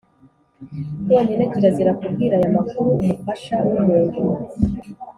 Bonyine kirazira kubwira aya makuru umufasha w umuntu